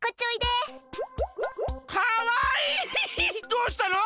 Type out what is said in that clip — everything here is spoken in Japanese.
どうしたの？